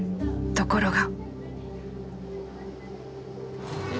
ところが。